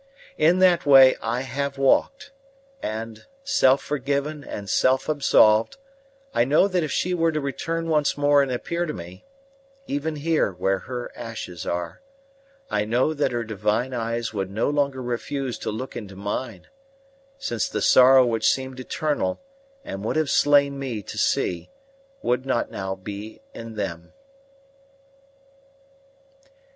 In that way I have walked; and, self forgiven and self absolved, I know that if she were to return once more and appear to me even here where her ashes are I know that her divine eyes would no longer refuse to look into mine, since the sorrow which seemed eternal and would have slain me to see would not now be in them.